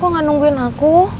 kok gak nungguin aku